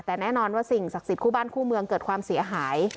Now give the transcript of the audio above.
แต่แน่นอนว่าสิ่งศักดิ์สิทธิคู่บ้านคู่เมืองเกิดความเสียหาย